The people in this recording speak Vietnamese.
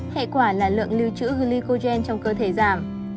hệ quả là lượng lưu trữ glycogen trong cơ thể giảm